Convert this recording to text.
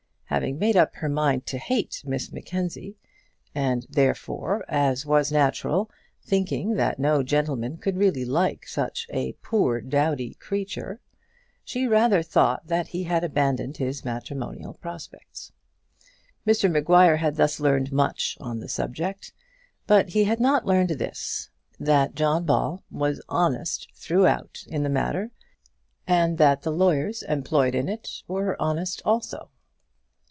Having made up her mind to hate Miss Mackenzie, and therefore, as was natural, thinking that no gentleman could really like such "a poor dowdy creature," she rather thought that he had abandoned his matrimonial prospects. Mr Maguire had thus learned much on the subject; but he had not learned this: that John Ball was honest throughout in the matter, and that the lawyers employed in it were honest also.